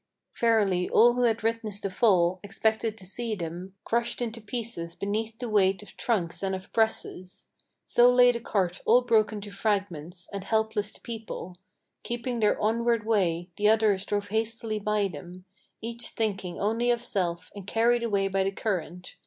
Verily all who had witnessed the fall, expected to see them Crushed into pieces beneath the weight of trunks and of presses. So lay the cart all broken to fragments, and helpless the people. Keeping their onward way, the others drove hastily by them, Each thinking only of self, and carried away by the current.